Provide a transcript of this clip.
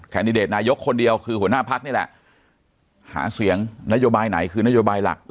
ดิเดตนายกคนเดียวคือหัวหน้าพักนี่แหละหาเสียงนโยบายไหนคือนโยบายหลัก